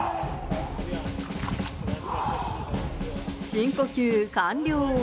深呼吸完了。